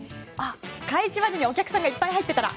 開始までにお客さんがいっぱい入ってたら。